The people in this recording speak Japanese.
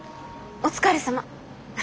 お疲れさま。